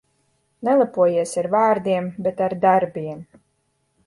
Nelepojies ar vārdiem, bet ar darbiem.